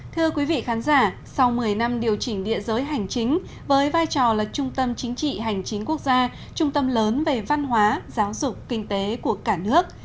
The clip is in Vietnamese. thưa quý vị khán giả sau một mươi năm điều chỉnh địa giới hành chính với vai trò là trung tâm chính trị hành chính quốc gia trung tâm lớn về văn hóa giáo dục kinh tế của cả nước